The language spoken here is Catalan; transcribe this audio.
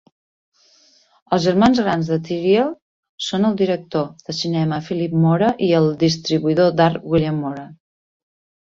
Els germans grans de Tiriel són el director de cinema Philippe Mora i el distribuïdor d'art William Mora.